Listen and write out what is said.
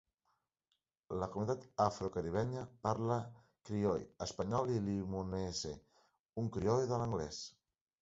La comunitat afro-caribenya parla crioll espanyol i "limonese", un crioll de l'anglès.